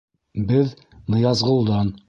— Беҙ Ныязғолдан.